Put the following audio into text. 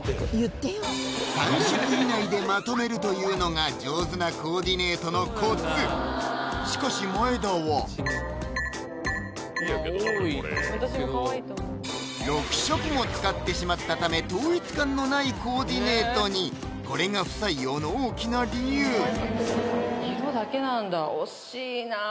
３色以内でまとめるというのが上手なコーディネートのコツしかし前田はいいんやけどな俺これ私もかわいいと思う６色も使ってしまったため統一感のないコーディネートにこれが不採用の大きな理由色だけなんだ？